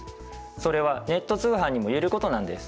それはネット通販にも言えることなんです。